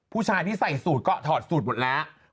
ผู้ชายที่ใส่สูตรก็ถอดสูตรหมดแล้ว